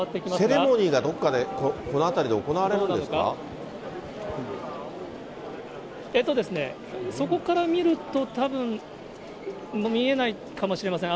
セレモニーがどこかで、そこから見ると、多分見えないかもしれません。